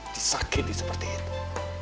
disakiti seperti itu